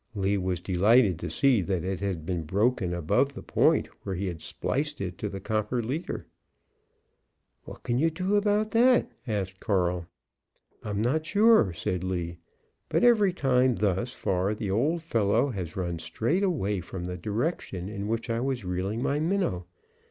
Lee was delighted to see that it had been broken above the point where he had spliced it to the copper leader. "What can you do about that?" asked Carl. "I'm not sure," said Lee, "but every time thus far the old fellow has run straight away from the direction in which I was reeling my minnow.